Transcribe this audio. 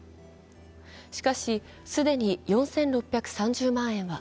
しかし、既に４６３０万円は